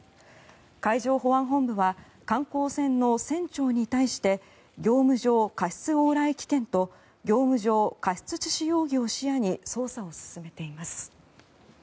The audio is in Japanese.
海上保安本部は観光船の船長に対して業務上過失往来危険と業務上過失致死容疑を視野に捜査を進めています。